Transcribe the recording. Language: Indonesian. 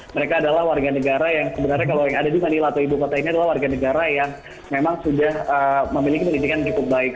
mereka adalah warga negara yang sebenarnya kalau yang ada di manila atau ibu kota ini adalah warga negara yang memang sudah memiliki pendidikan yang cukup baik